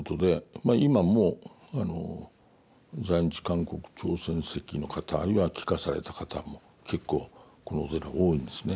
まあ今も在日韓国朝鮮籍の方あるいは帰化された方も結構このお寺多いんですね。